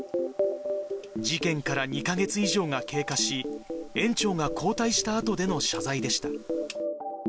事件から２か月以上が経過し、園長が交代したあとでの謝罪でした。